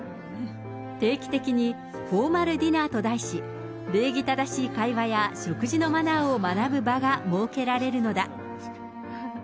定期的にフォーマルディナーと題し、礼儀正しい会話や食事のマナーを学ぶ場が設けられるのだ。